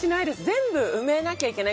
全部埋めなきゃいけない。